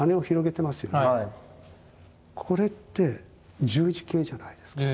これって十字形じゃないですか。